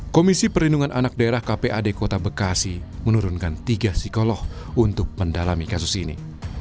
komisi perlindungan anak daerah kpad kota bekasi menurunkan tiga psikolog untuk mendalami kasus ini